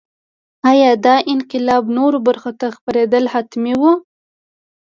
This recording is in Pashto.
ایا دا انقلاب نورو برخو ته خپرېدل حتمي وو.